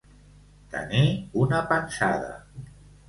Tenir una pensada.